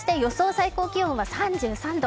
最高気温は３３度。